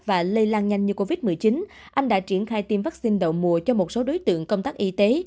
và lây lan nhanh như covid một mươi chín anh đã triển khai tiêm vaccine đầu mùa cho một số đối tượng công tác y tế